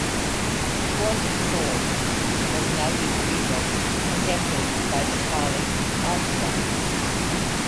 It was destroyed but has now been rebuilt and decorated by Nepali artisans.